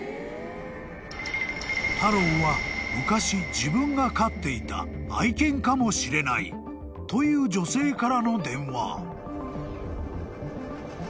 ［タローは昔自分が飼っていた愛犬かもしれないという女性からの電話］